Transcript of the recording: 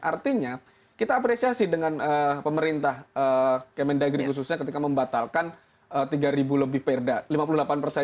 artinya kita apresiasi dengan pemerintah kemendagri khususnya ketika membatalkan tiga ribu lebih perda